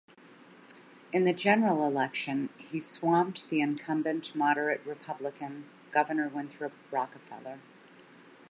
In the general election, he swamped the incumbent moderate Republican Governor Winthrop Rockefeller.